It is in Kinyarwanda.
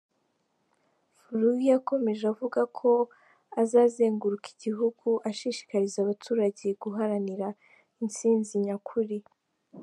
Faluyu yakomeje avuga ko azazenguruka igihugu ashishikariza abaturage guharanira intsinzi nyakuri.